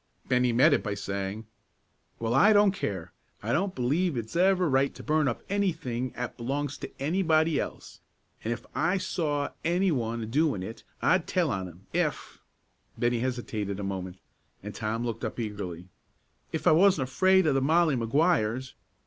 Bennie met it by saying, "Well, I don't care; I don't b'lieve it's ever right to burn up any thing 'at belongs to anybody else; an' if I saw any one a doin' it, I'd tell on him if" Bennie hesitated a moment, and Tom looked up eagerly "if I wasn't afraid o' the Molly Maguires.